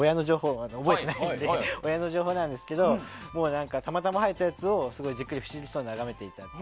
覚えてなくて親の情報なんですけどたまたまはえたやつをじっくり不思議そうに眺めていた。